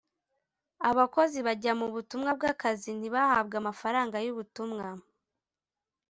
abakozi bajya mu butumwa bw akazi ntibahabwe amafaranga y ubutumwa